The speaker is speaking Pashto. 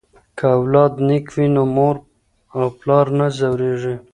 که اولاد نیک وي نو مور او پلار نه ځورېږي.